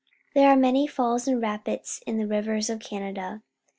There are many falls and rapids in the ri\ ers of Canada.